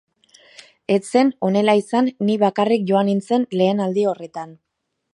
Ez zen honela izan ni bakarrik joan nintzen lehen aldi horretan.